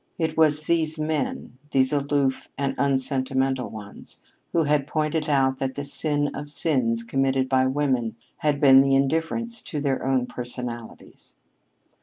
It was these men these aloof and unsentimental ones who had pointed out that the sin of sins committed by women had been the indifference to their own personalities.